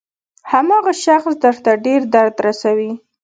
هماغه شخص درته ډېر درد رسوي.